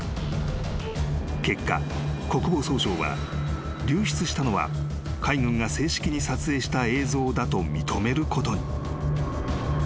［結果国防総省は流出したのは海軍が正式に撮影した映像だと認めることに］